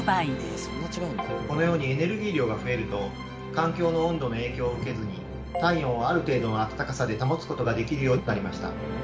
このようにエネルギー量が増えると環境の温度の影響を受けずに体温をある程度の温かさで保つことができるようになりました。